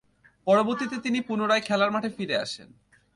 পরবর্তীতে তিনি পুনরায় খেলার মাঠে ফিরে আসেন।